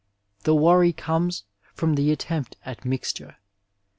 The worry comes from the attempt at mixture.